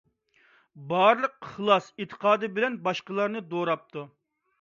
بارلىق ئىخلاس - ئېتىقادى بىلەن باشقىلارنى دوراپتۇ.